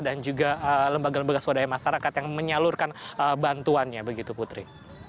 dan juga lembaga lembaga swadaya masyarakat yang menyalurkan bantuannya begitu putri